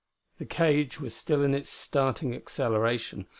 The cage was still in its starting acceleration.